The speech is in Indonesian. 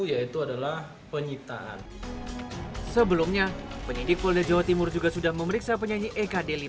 yaitu adalah penyitaan sebelumnya penyidik polda jawa timur juga sudah memeriksa penyanyi eka deli